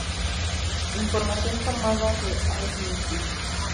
Información tomada de Allmusic.